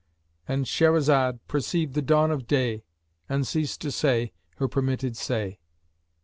"—And Shahrazad perceived the dawn of day and ceased to say her permitted say.